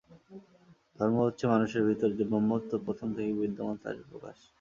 ধর্ম হচ্ছে, মানুষের ভিতর যে ব্রহ্মত্ব প্রথম থেকেই বিদ্যমান, তারই প্রকাশ।